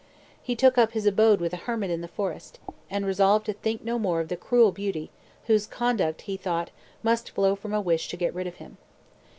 He took up his abode with a hermit in the forest, and resolved to think no more of the cruel beauty, whose conduct he thought must flow from a wish to get rid of him.